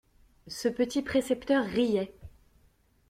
Ce petit précepteur riait.